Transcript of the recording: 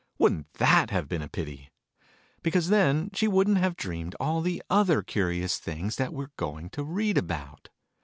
Wouldn't that have been a pity ? Because then she wouldn't have dreamed all the other curious things that we re going to read about.